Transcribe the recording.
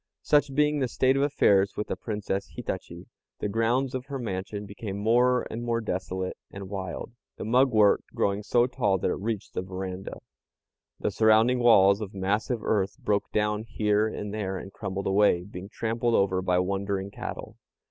Such being the state of affairs with the Princess Hitachi, the grounds of her mansion became more and more desolate and wild, the mugwort growing so tall that it reached the veranda. The surrounding walls of massive earth broke down here and there and crumbled away, being trampled over by wandering cattle.